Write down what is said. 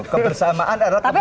kebersamaan adalah kebersamaan